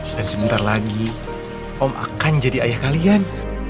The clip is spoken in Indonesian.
dan sebentar lagi om akan jadi ayah kalian